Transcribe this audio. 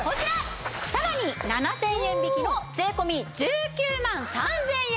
さらに７０００円引きの税込１９万３０００円。